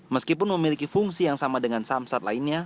meskipun memiliki fungsi yang sama dengan samsat lainnya